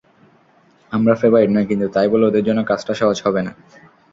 আমরা ফেবারিট নই, কিন্তু তাই বলে ওদের জন্য কাজটা সহজ হবে না।